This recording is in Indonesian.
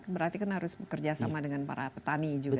berarti kan harus bekerja sama dengan para petani juga